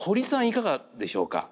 いかがでしょうか？